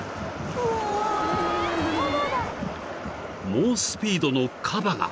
［猛スピードのカバが］